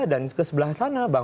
dan ke sebelah sana